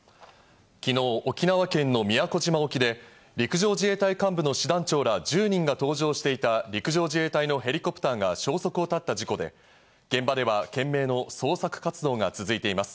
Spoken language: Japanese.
昨日、沖縄県の宮古島沖で陸上自衛隊幹部の師団長ら１０人が搭乗していた陸上自衛隊のヘリコプターが消息を絶った事故で、現場では懸命の捜索活動が続いています。